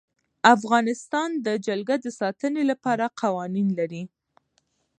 افغانستان د جلګه د ساتنې لپاره قوانین لري.